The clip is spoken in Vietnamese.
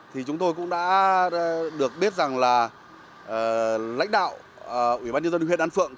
thì chúng tôi cũng đã được biết rằng là lãnh đạo ủy ban nhân dân huyện an phượng